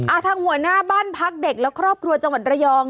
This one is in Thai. ทางหัวหน้าบ้านพักเด็กและครอบครัวจังหวัดระยอง